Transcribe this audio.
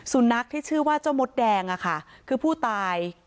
สูญนักที่ชื่อว่าเจ้ามดแดงคือผู้ตายเก็บเมอร์เลี้ยง